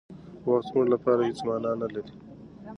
وخت زموږ لپاره هېڅ مانا نه لري.